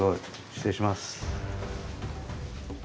失礼します。